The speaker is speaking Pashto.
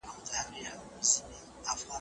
زه به د نوي لغتونو يادونه کړې وي